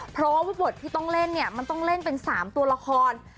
เพราะว่าบทที่ต้องเล่นเนี่ยมันต้องเล่นเป็น๓ตัวละคร